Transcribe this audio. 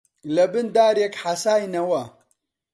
لەبن دارێک حەساینەوە